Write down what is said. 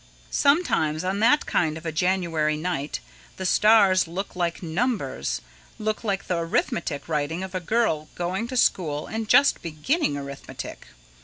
Sometimes on that kind of a January night the stars look like numbers, look like the arithmetic writing of a girl going to school and just beginning arithmetic.